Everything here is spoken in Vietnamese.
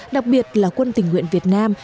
đặc biệt là quân tỉnh nguyện việt nam